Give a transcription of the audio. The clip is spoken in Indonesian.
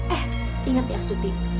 eh inget ya suti